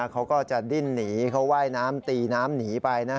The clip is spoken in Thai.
เขาก็จะดิ้นหนีเขาว่ายน้ำตีน้ำหนีไป